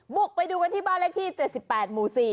บุกไปดูกันที่บ้านเลขที่๗๘หมู่๔